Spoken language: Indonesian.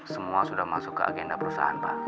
semua sudah masuk ke agenda perusahaan pak